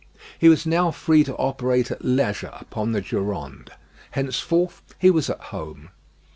He was now free to operate at leisure upon the Durande. Henceforth he was at home.